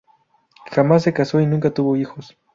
Jamás se casó y nunca tuvo hijos.